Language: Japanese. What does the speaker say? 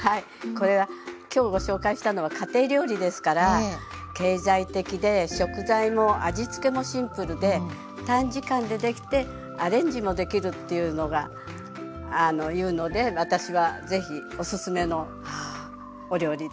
これは今日ご紹介したのは家庭料理ですから経済的で食材も味付けもシンプルで短時間で出来てアレンジもできるっていうのがいうので私は是非おすすめのお料理です。